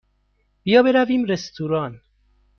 بیا برویم رستوران.